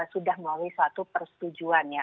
sudah melalui suatu persetujuan ya